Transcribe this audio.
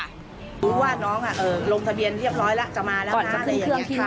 รู้ว่าน้องลงทะเบียนเรียบร้อยแล้วจะมาแล้วก่อนสักที